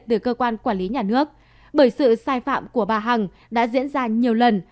từ cơ quan quản lý nhà nước bởi sự sai phạm của bà hằng đã diễn ra nhiều lần